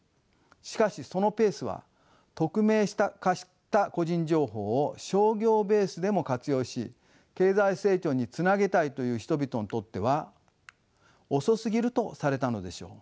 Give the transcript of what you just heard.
しかしそのペースは匿名化した個人情報を商業ベースでも活用し経済成長につなげたいという人々にとっては遅すぎるとされたのでしょう。